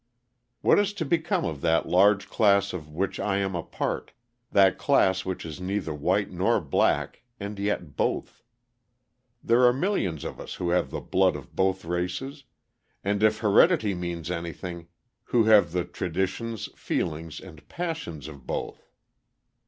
What is to become of that large class of which I am a part, that class which is neither white nor black and yet both? There are millions of us who have the blood of both races, and, if heredity means anything, who have the traditions, feelings, and passions of both.